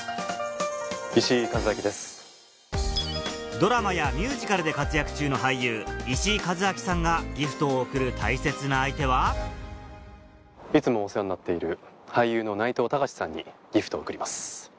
ドラマやミュージカルで活躍中の俳優石井一彰さんがギフトを贈る大切な相手はいつもお世話になっている俳優の内藤剛志さんにギフトを贈ります。